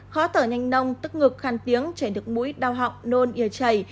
khó thở nhanh nông tức ngược khan tiếng chảy được mũi đau họng nôn yếu chảy